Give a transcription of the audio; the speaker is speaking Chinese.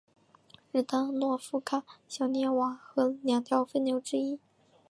日当诺夫卡小涅瓦河两条分流之一。